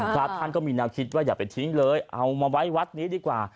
พระท่านก็มีแนวคิดว่าอย่าไปทิ้งเลยเอามาไว้วัดนี้ดีกว่า